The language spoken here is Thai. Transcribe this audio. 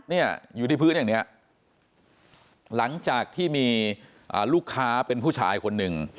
เนี่ยอยู่ที่พื้นอย่างเนี้ยหลังจากที่มีลูกค้าเป็นผู้ชายคนหนึ่ง